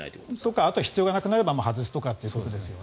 あとは必要がなくなれば外すということですね。